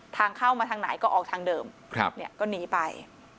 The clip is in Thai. ทางเข้ามาทางไหนก็ออกทางเดิมก็หนีไป